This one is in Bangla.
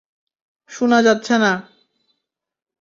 শুনা যাচ্ছে না।